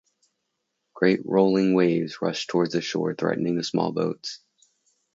"Great rolling waves" rushed toward the shore threatening the small boats.